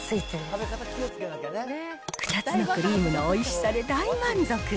２つのクリームのおいしさで大満足。